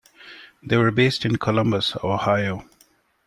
They were based in Columbus, Ohio.